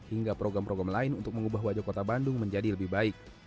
hingga program program lain untuk mengubah wajah kota bandung menjadi lebih baik